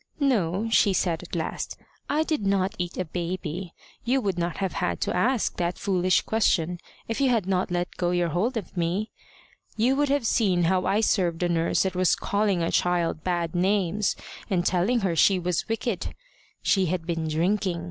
"No," she said at last, "I did not eat a baby. You would not have had to ask that foolish question if you had not let go your hold of me. You would have seen how I served a nurse that was calling a child bad names, and telling her she was wicked. She had been drinking.